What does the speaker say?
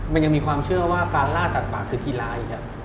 มันยังมีความเชื่อว่าการล่าสัตว์คือกีฬาอีก